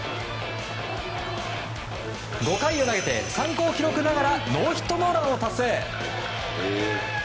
５回を投げて参考記録ながらノーヒットノーランを達成。